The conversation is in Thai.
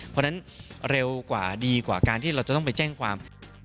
เพราะฉะนั้นเร็วกว่าดีกว่าการที่เราจะต้องไปแจ้งความ